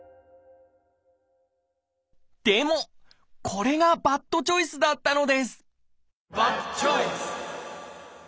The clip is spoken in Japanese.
でもこれがバッドチョイスだったのですバッドチョイス！